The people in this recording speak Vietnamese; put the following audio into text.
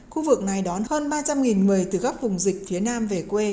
khu vực này đón hơn ba trăm linh người từ các vùng dịch phía nam về quê